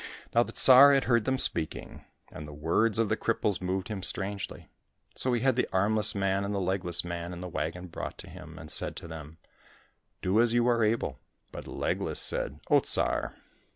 Now the Tsar had heard them speaking, and the words of the cripples moved him strangely. So he had the armless man and the legless man in the wagon brought to him, and said to them, " Do as you are able." But Legless said, " O Tsar